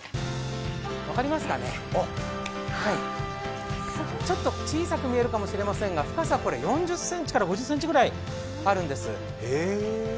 分かりますかね、ちょっと小さく見えるかもしれませんが深さは４０ｃｍから５０ｃｍくらいあるんです。